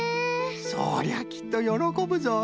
そりゃきっとよろこぶぞい。